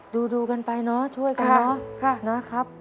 ดูกันไปเนาะช่วยกันเนอะนะครับ